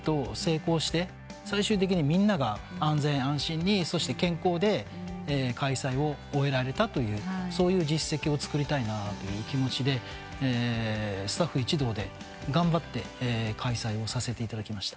最終的にみんなが安全安心にそして健康で開催を終えられたというそういう実績をつくりたいなという気持ちでスタッフ一同で頑張って開催させていただきました。